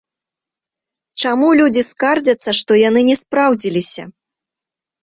Чаму людзі скардзяцца, што яны не спраўдзіліся?